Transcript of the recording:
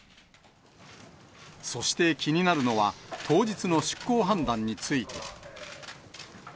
そして気になるのは、当日の出航判断について。